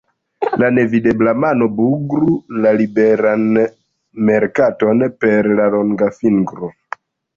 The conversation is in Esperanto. La Nevidebla Mano bugru la Liberan Merkaton per la longa fingro!